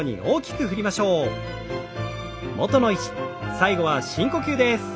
最後は深呼吸です。